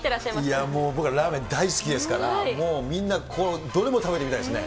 いやあ、もう、僕はラーメン大好きですから、もうみんな、どれも食べてみたいですね。